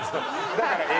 だから「え」